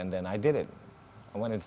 dan saya melakukannya